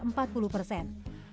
masih sekitar empat puluh persen